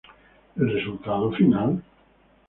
El resultado final?